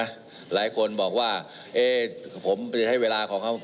หลายคนบอกว่าเอ๊ะผมจะใช้เวลาของเขา